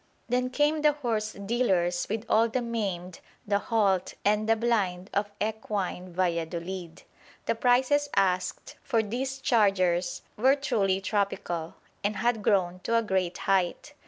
Then came the horse dealers with all the maimed, the halt, and the blind of equine Valladolid. The prices asked for these chargers were truly tropical, and had grown to a great height.